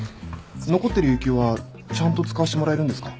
残ってる有休はちゃんと使わせてもらえるんですか？